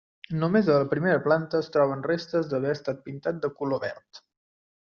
Només a la primera planta es troben restes d'haver estat pintat de color verd.